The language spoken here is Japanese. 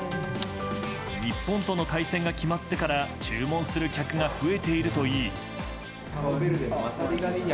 日本との対戦が決まってから注文する客が増えているといい。